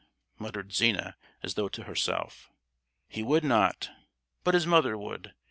muttered Zina, as though to herself. "He would not, but his mother would!"